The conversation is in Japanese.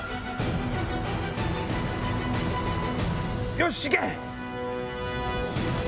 よし行け！